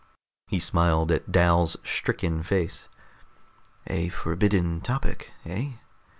He smiled at Dal's stricken face. "A forbidden topic, eh?